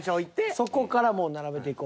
そこからもう並べていこう。